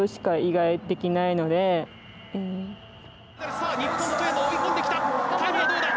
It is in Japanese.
さあ、日本の外山追い込んできた。